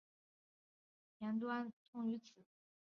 田端通往的参道通过此地。